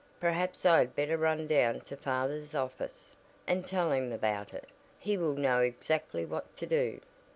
Perhaps I had better run down to father's office, and tell him about it; he will know exactly what to do."